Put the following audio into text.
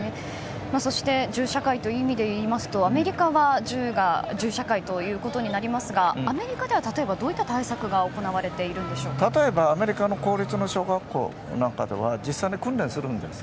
銃社会という意味でいいますとアメリカは銃社会ということになりますがアメリカでは例えばどういった対策が例えば、アメリカの公立の小学校なんかでは実際に訓練するんです。